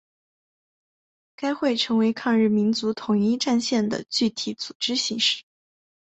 该会成为抗日民族统一战线的具体组织形式。